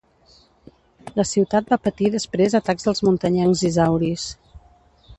La ciutat va patir després atacs dels muntanyencs isauris.